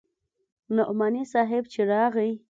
نعماني صاحب چې راغى.